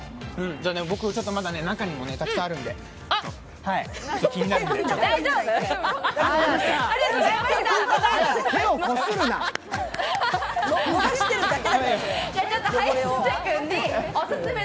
僕は、まだ中にもたくさんあるんで、気になるんで。